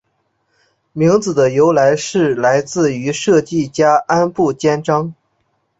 名字的由来是来自于设计家安部兼章。